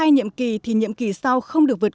nhiệm kỳ thì nhiệm kỳ sau không được vượt